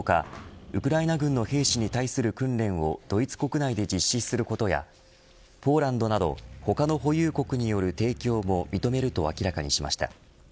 ウクライナ軍の兵士に対する訓練をドイツ国内で実施することやポーランドなど他の保有国による提供も認めると明らかにしました。